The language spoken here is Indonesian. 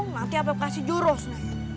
mati apep kasih jurus nenek